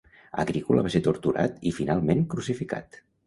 Agrícola va ser torturat i, finalment, crucificat.